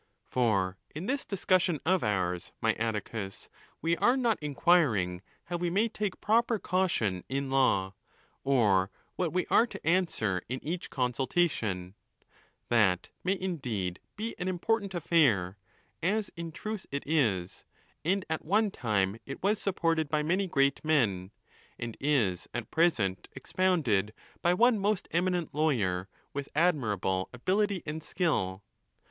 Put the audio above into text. —For in this discussion of ours, my Atticus, we are not inquiring how we may take proper caution in law, or what we are to answer in each consultation,—that may indeed be an important affair, as in truth it is; and at one time it was supported by many great men, and is at present ex+ 406 ON THE LAWS: pounded by one most eminent lawyer with admirable ability and skill.